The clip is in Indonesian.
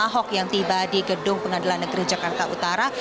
ahok yang tiba di gedung pengadilan negeri jakarta utara